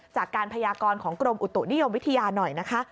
จากการพยากรของกรมอุตุนิยมวิทยาหน่อยนะคะ